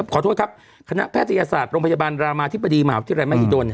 ขอโทษครับคณะแพทยศาสตร์โรงพยาบาลรามาธิบดีมหาวิทยาลัยมหิดล